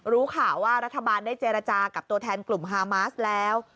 รู้ข่าวว่ารัฐบาลได้เจรจากับตัวแทนกลุ่มฮามาสแล้ว